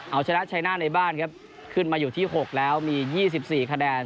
เอาชนะชายนาดในบ้านครับขึ้นมาอยู่ที่หกแล้วมียี่สิบสี่คะแนน